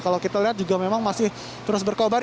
kalau kita lihat juga memang masih terus berkobar